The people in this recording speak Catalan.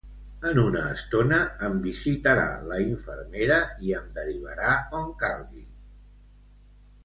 En una estona em visitarà la infermera i em derivarà on calgui